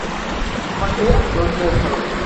আমাকে জড়িয়ে ধরো!